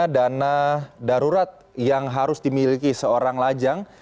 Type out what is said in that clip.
dana darurat yang harus dimiliki seorang lajang